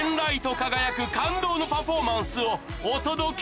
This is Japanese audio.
輝く感動のパフォーマンスをお届け